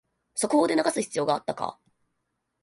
速報で流す必要あったか